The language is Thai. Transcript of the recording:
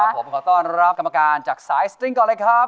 ผมขอต้อนรับกรรมการจากสายสติ้งก่อนเลยครับ